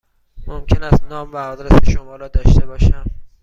ممکن است نام و آدرس شما را داشته باشم؟